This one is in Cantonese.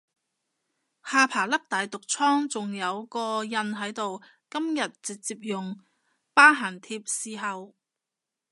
下巴粒大毒瘡仲有個印喺度，今日直接用疤痕貼侍候